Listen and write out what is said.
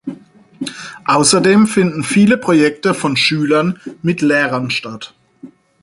Außerdem finden viele Projekte von Schülern mit Lehrern statt.